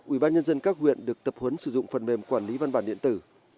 ubnd các huyện được tập huấn sử dụng phần mềm quản lý văn bản điện tử